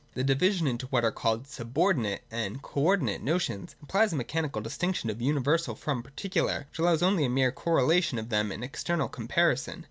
— The division into what are called subordinate and co ordinate notions implies a mechanical distinction of universal from particular, which allows only a mere correlation of them in external comparison.